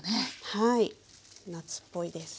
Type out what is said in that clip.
はい夏っぽいです。